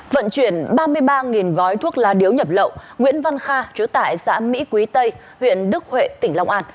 vận chuyển ba mươi ba gói thuốc lá điếu nhập lậu nguyễn văn kha chú tại xã mỹ quý tây huyện đức huệ tỉnh long an